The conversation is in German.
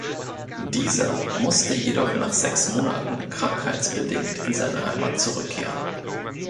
Dieser musste jedoch nach sechs Monaten krankheitsbedingt in seine Heimat zurückkehren.